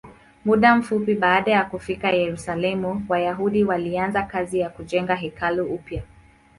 Muda mfupi baada ya kufika Yerusalemu, Wayahudi walianza kazi ya kujenga hekalu upya.